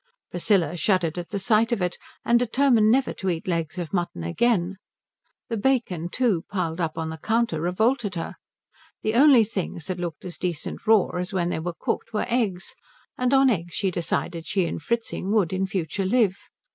Priscilla shuddered at the sight of it and determined never to eat legs of mutton again. The bacon, too, piled up on the counter, revolted her. The only things that looked as decent raw as when they were cooked were eggs; and on eggs she decided she and Fritzing would in future live.